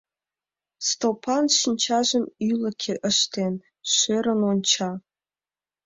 Стопан, шинчажым ӱлыкӧ ыштен, шӧрын онча.